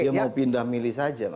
ya mau pindah milih saja